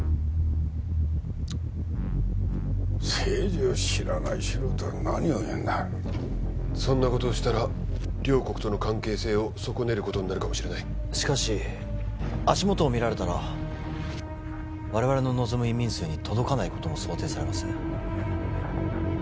政治を知らない素人が何を言うんだそんなことをしたら両国との関係性を損ねることになるかもしれないしかし足元を見られたら我々の望む移民数に届かないことも想定されます